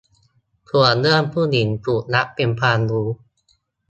ส่วนเรื่อง 'ผู้หญิง' ถูกนับเป็นความรู้